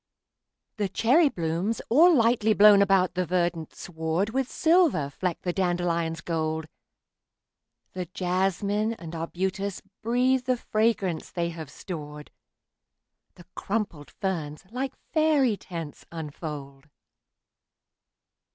The cherry blooms, all lightly blown about the verdant sward, With silver fleck the dandelion's gold; The jasmine and arbutus breathe the fragrance they have stored; The crumpled ferns, like faery tents, unfold.